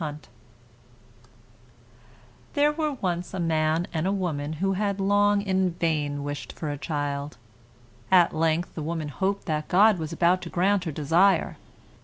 RAPUNZEL There were once a man and a woman who had long in in vain wished for a child. At length the woman hoped that God was about to grant her desire.